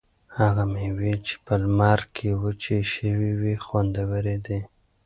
هغه مېوې چې په لمر کې وچې شوي وي خوندورې دي.